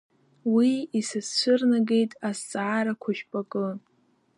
Уи исызцәырнагеит азҵаарақәа жәпакы.